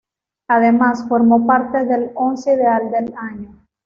Además, formó parte del once ideal del año.